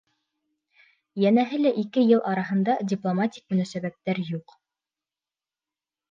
Йәнәһе лә, ике ил араһында дипломатик мөнәсәбәттәр юҡ.